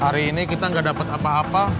hari ini kita gak dapet apa apa